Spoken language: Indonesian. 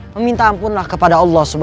meminta ampun kepada allah swt